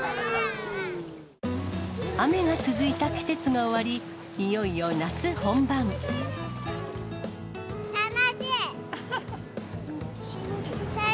雨が続いた季節が終わり、楽しい！